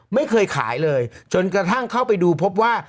ไม่เคยขายเลยจนกระทั่งเข้าไปดูพบว่า